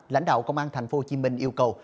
lãnh đạo công an tp hcm yêu cầu